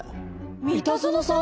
三田園さん！？